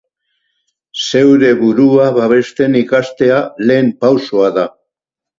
Zeure burua babesten ikastea lehen pausoa da.